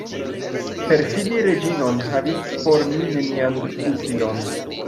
Perfidi Reĝinon havis por mi nenian utilon.